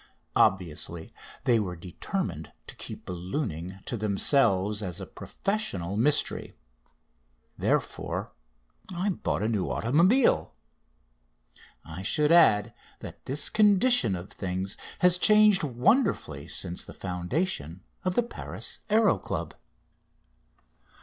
Obviously they were determined to keep ballooning to themselves as a professional mystery. Therefore I bought a new automobile. I should add that this condition of things has changed wonderfully since the foundation of the Paris Aéro Club.